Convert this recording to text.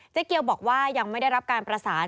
เกียวบอกว่ายังไม่ได้รับการประสาน